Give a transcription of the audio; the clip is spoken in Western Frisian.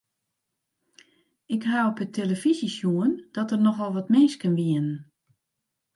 Ik haw op 'e telefyzje sjoen dat der nochal wat minsken wiene.